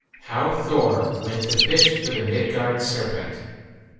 HOW THOR WENT TO FISH FOR THE MIDGARD SERPENT.